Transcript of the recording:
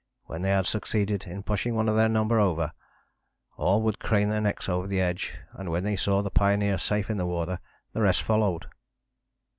When they had succeeded in pushing one of their number over, all would crane their necks over the edge, and when they saw the pioneer safe in the water, the rest followed."